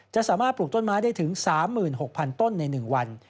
จะสามารถปลูกต้นไม้ได้ถึง๓๖๐๐๐ต้นใน๑วัน